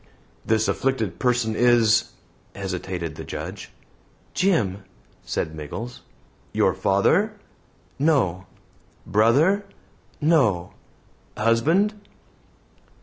"This afflicted person is " hesitated the Judge. "Jim," said Miggles. "Your father?" "No." "Brother?" "No." "Husband?"